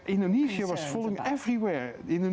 indonesia mengejar di mana mana